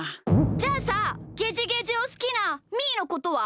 じゃあさゲジゲジをすきなみーのことは？